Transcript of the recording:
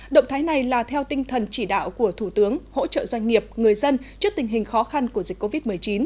động thái này là theo tinh thần chỉ đạo của thủ tướng hỗ trợ doanh nghiệp người dân trước tình hình khó khăn của dịch covid một mươi chín